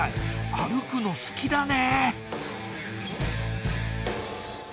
歩くの好きだね。